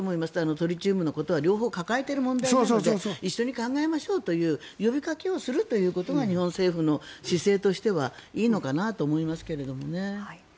トリチウムのことは両方抱えている問題なので一緒に考えましょうという呼びかけをするということが日本政府の姿勢としてはいいのかなと思いますけれどね。